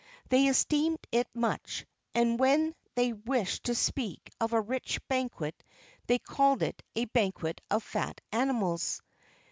They esteemed it much, and when they wished to speak of a rich banquet, they called it "a banquet of fat animals."